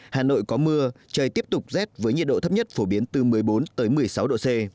hà nội có mưa trời tiếp tục rét với nhiệt độ thấp nhất phổ biến từ một mươi bốn một mươi sáu độ c